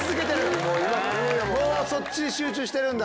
そっちに集中してるんだ。